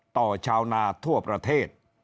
ชาวนาทั่วประเทศ